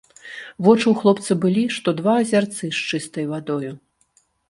Вочы ў хлопца былі, што два азярцы з чыстай вадою.